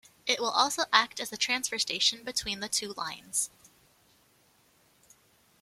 It will also act as a transfer station between the two lines.